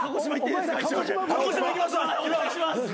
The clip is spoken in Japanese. お願いします。